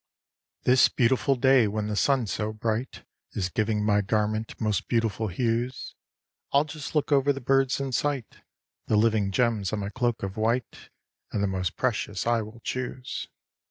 This beautiful day when the sun so bright Is giving my garment most beautiful hues, I'll just look over the birds in sight— The living gems on my cloak of white— And the most precious I will choose.